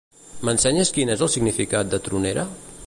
M'ensenyes quin és el significat de tronera?